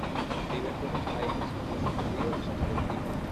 Vive en Buenos Aires, con su marido y sus tres hijos.